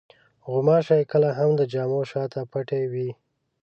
غوماشې کله هم د جامو شاته پټې وي.